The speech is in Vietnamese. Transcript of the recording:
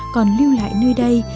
còn lưu lại nơi đây